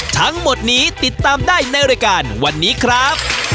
ทั้งหมดนี้ติดตามได้ในรายการวันนี้ครับ